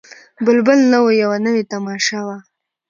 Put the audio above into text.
بلبل نه وو یوه نوې تماشه وه